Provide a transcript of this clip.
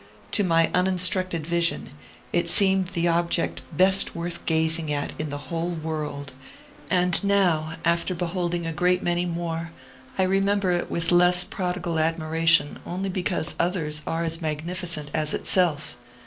To my uninstructed vision, it seemed the object best worth gazing at in the whole world; and now, after beholding a great many more, I remember it with less prodigal admiration only because others are as magnificent as itself.